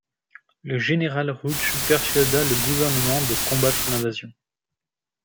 Le général Ruge persuada le gouvernement de combattre l'invasion.